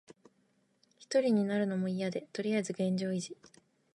ひとりになるのもいやで、とりあえず現状維持。